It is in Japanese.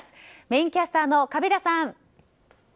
メインキャスターのカビラさん。